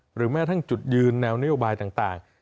หรือแม้ทั้งจุดยืนแนวนโยบายต่าง